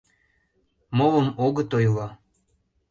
Молым огыт ойло.